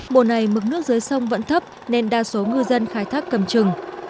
mùa này mức nước dưới sông vẫn thấp nên đa số ngư dân khai thác cầm trừng